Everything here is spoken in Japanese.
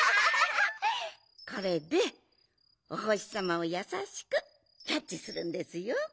これでおほしさまをやさしくキャッチするんですよ。